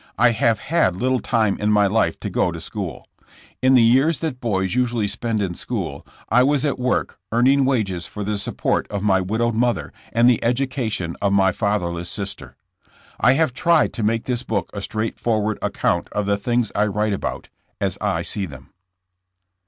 I have had little time in my life to go to school. In the years that boys usually spend in school I was at w^ork earning wages for the support of my widowed mother and the education of my fatherless sister. I have tried to make this book a straightforward account of the things I write about, as I see them.